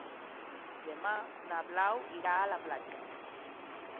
Demà na Blau irà a la platja.